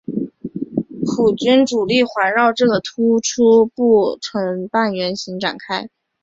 普军主力环绕这个突出部成半圆形展开。